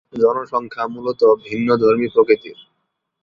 জনসংখ্যা মূলত ভিন্নধর্মী প্রকৃতির।